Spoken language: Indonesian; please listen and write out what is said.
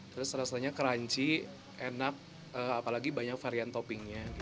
terus rasanya crunchy enak apalagi banyak varian toppingnya